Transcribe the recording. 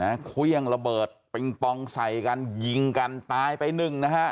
เครื่องระเบิดปิงปองใส่กันยิงกันตายไปหนึ่งนะฮะ